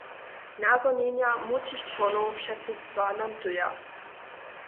Nazhonjenja młódšich čłonow předsydstwa nam tyja.